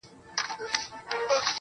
د هغه ورځي څه مي~